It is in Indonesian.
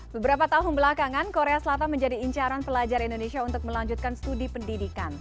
beberapa tahun belakangan korea selatan menjadi incaran pelajar indonesia untuk melanjutkan studi pendidikan